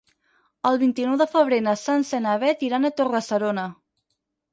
El vint-i-nou de febrer na Sança i na Beth iran a Torre-serona.